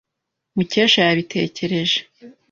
Mukesha yabitekereje.